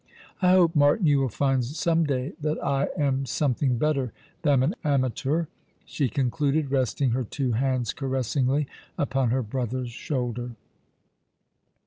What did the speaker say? I hope, Martin, you will find some day that I am something better than an amateur," she concluded, resting her two hands caressingly upon her brother's shoulder.